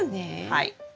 はい。